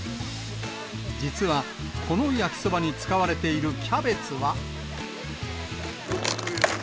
実は、このやきそばに使われているキャベツは。